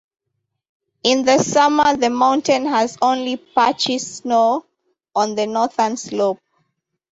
In the summer the mountain has only patchy snow, on the northern slope.